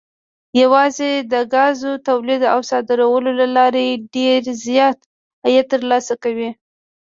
یوازې د ګازو تولید او صادرولو له لارې ډېر زیات عاید ترلاسه کوي.